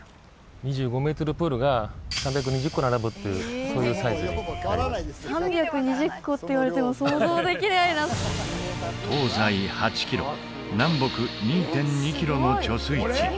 ２５メートルプールが３２０個並ぶっていうそういうサイズになります３２０個って言われても想像できないなの貯水池